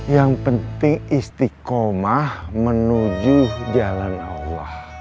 yang penting istiqomah menuju jalan allah